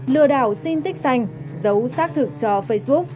lừa đảo xin tích xanh dấu xác thực cho facebook